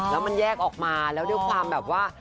แล้วมันแยกออกมาแล้วด้วยความแบบว่า